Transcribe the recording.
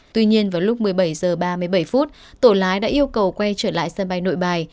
tuy nhiên vào lúc một mươi bảy h ba mươi bảy phút tổ lái đã yêu cầu quay trở lại sân bay nội bài